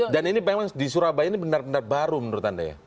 dan ini memang di surabaya ini benar benar baru menurut anda ya